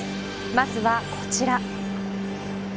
まずはこちら。